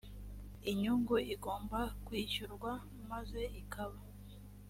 inyungu igomba kwishyurwa maze ikaba